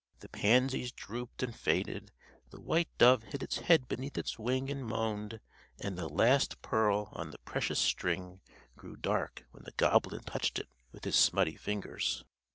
The pansies drooped and faded, the white dove hid its head beneath its wing and moaned; and the last pearl on the precious string grew dark when the goblin touched it with his smutty fingers.